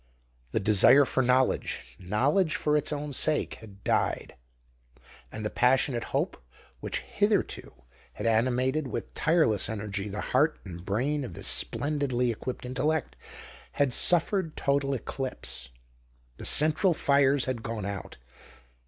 The desire for knowledge knowledge for its own sake had died, and the passionate hope which hitherto had animated with tireless energy the heart and brain of this splendidly equipped intellect had suffered total eclipse. The central fires had gone out.